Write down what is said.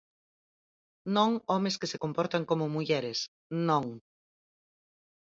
Non homes que se comportan como mulleres: non.